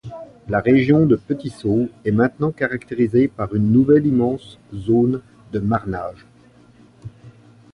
La région de Petit-Saut est maintenant caractérisée par une nouvelle immense zone de marnage.